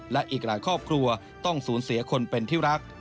และอีกหลายครอบครัวต้องสูญเสียคนเป็นที่รัก